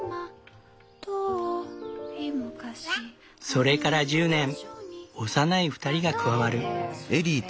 それから１０年幼い２人が加わる。